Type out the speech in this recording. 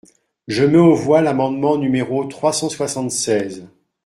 Je mets aux voix l’amendement numéro trois cent soixante-seize.